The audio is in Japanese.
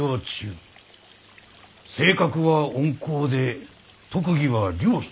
性格は温厚で特技は料理。